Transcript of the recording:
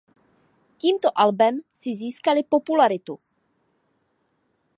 Tímto albem si získali popularitu.